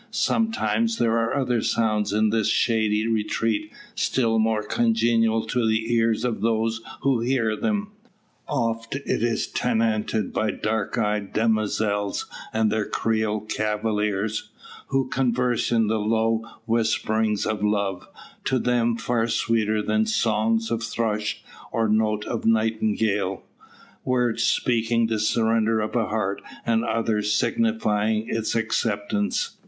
Sometimes there are other sounds in this shady retreat, still more congenial to the ears of those who hear them. Oft is it tenanted by dark eyed demoiselles, and their Creole cavaliers, who converse in the low whisperings of love, to them far sweeter than song of thrush, or note of nightingale words speaking the surrender of a heart, with others signifying its acceptance.